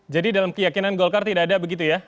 jadi dalam keyakinan golkar tidak ada begitu ya